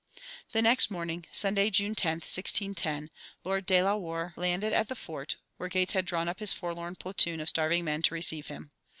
The next morning, Sunday, June 10, 1610, Lord de la Warr landed at the fort, where Gates had drawn up his forlorn platoon of starving men to receive him.